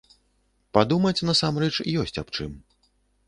Падумаць насамрэч ёсць аб чым.